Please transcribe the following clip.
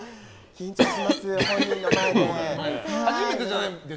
緊張します、本人の前で。